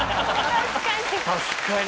確かに！